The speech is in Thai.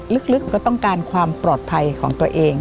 ลึกก็ต้องการความปลอดภัยของตัวเอง